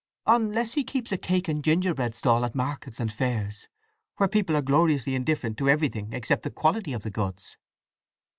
"Unless he keeps a cake and gingerbread stall at markets and fairs, where people are gloriously indifferent to everything except the quality of the goods."